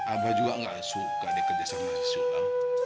abah juga gak suka dia kerja sama si sulang